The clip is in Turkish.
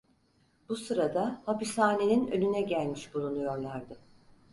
Bu sırada hapishanenin önüne gelmiş bulunuyorlardı.